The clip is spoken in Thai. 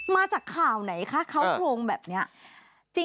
มาจากข่าวไหนคะเขาโครงแบบนี้